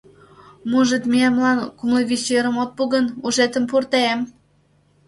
Мужедмемлан кумлывичырым от пу гын, ушетым пуртем!